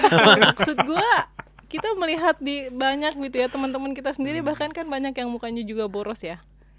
maksud gue kita melihat di banyak gitu ya teman teman kita sendiri bahkan kan banyak yang mukanya juga boros ya